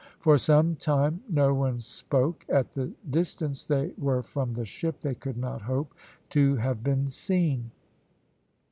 For some time no one spoke; at the distance they were from the ship they could not hope to have been seen.